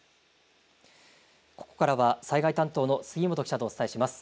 ここからは災害担当の杉本記者とお伝えします。